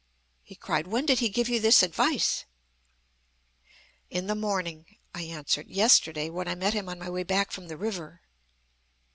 he cried. 'When did he give you this advice?' "'In the morning,' I answered, 'yesterday, when I met him on my way back from the river.'